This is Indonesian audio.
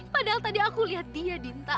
padahal tadi aku lihat dia dinta